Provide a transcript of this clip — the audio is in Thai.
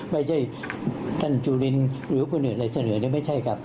ไม่ใช่ท่านจุลินหรือคนอื่นอะไรเสนอไม่ใช่ครับ